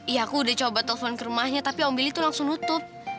ya aku udah coba telepon ke rumahnya tapi om billy tuh langsung nutup